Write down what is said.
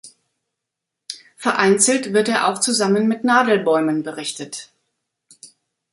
Vereinzelt wird er auch zusammen mit Nadelbäumen berichtet.